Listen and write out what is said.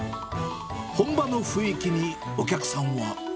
本場の雰囲気にお客さんは。